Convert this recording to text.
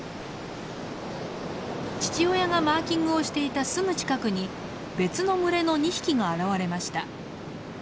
父親がマーキングをしていたすぐ近くに別の群れの２匹が現れました。